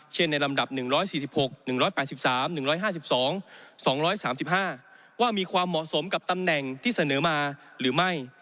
ในลำดับ๑๔๖๑๘๓๑๕๒๒๓๕ว่ามีความเหมาะสมกับตำแหน่งที่เสนอมาหรือไม่